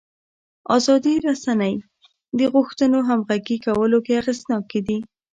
ازادې رسنۍ د غوښتنو همغږي کولو کې اغېزناکې دي.